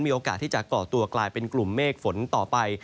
มีโอกาสที่จะก่อตัวกลายเป็นกลุ่มเมฆฝนต่อไป